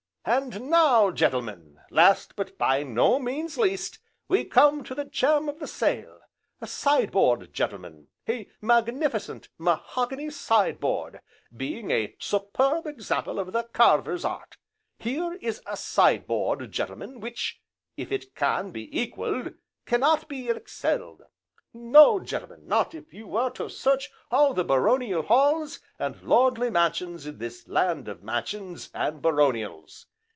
"And now, gentlemen, last, but by no means least, we come to the gem of the sale, a side board, gentlemen, a magnificent, mahogany side board, being a superb example of the carver's art! Here is a side board, gentlemen, which, if it can be equalled, cannot be excelled no, gentlemen, not if you were to search all the baronial halls, and lordly mansions in this land of mansions, and baronials.